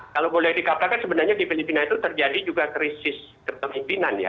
kalau boleh dikatakan sebenarnya di filipina itu terjadi juga krisis kepemimpinan ya